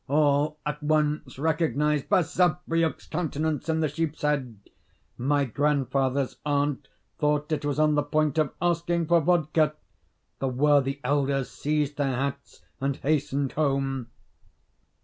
All at once recognised Basavriuk's countenance in the sheep's head; my grandfather's aunt thought it was on the point of asking for vodka. The worthy elders seized their hats and hastened home.